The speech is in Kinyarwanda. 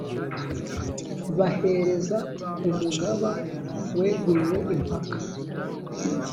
bahereza umugaba weguriwe impaka.